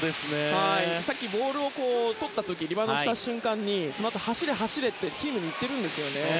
さっきボールをリバウンドした瞬間にそのあと走れ、走れ！とチームに言ってるんですよね。